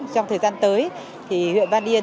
trong thời gian tới thì huyện văn yên